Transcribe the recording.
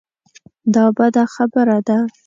دا بده خبره ده.